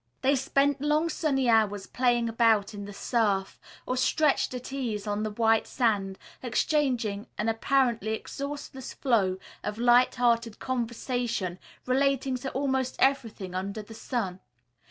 They spent long sunny hours playing about in the surf, or stretched at ease on the white sand, exchanging an apparently exhaustless flow of light hearted conversation relating to almost everything under the sun.